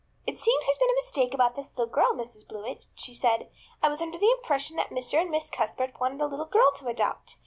"It seems there's been a mistake about this little girl, Mrs. Blewett," she said. "I was under the impression that Mr. and Miss Cuthbert wanted a little girl to adopt.